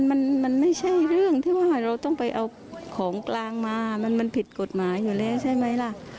มันมันไม่ใช่เรื่องที่ว่าเราต้องไปเอาของกลางมามันผิดกฎหมายอยู่แล้วใช่ไหมล่ะ